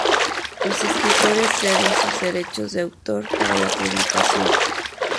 Los escritores ceden sus derechos de autor para la publicación.